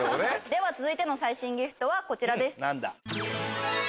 では続いての最新ギフトはこちらです。